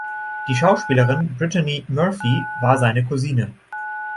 Die Schauspielerin Brittany Murphy war seine Cousine.